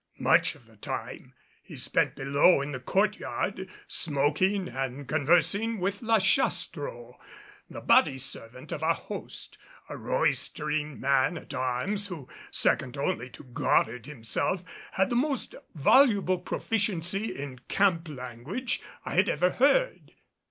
Much of the time he spent below in the courtyard smoking and conversing with La Chastro, the body servant of our host, a roystering man at arms who, second only to Goddard himself, had the most voluble proficiency in camp language I had ever heard.